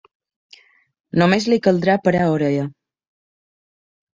Només li caldrà parar orella.